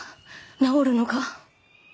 治るのか。